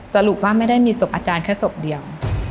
สรุปว่าไม่ได้มีศพอาจารย์แค่ศพเดียว